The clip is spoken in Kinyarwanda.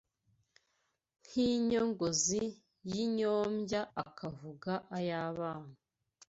Nk’inyongozi y’inyombya Akavuga ay’abana